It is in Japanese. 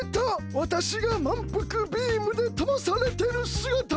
わたしがまんぷくビームでとばされてるすがたが。